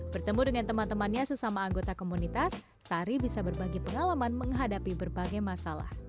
bertemu dengan teman temannya sesama anggota komunitas sari bisa berbagi pengalaman menghadapi berbagai masalah